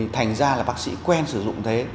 thành ra là bác sĩ quen sử dụng thế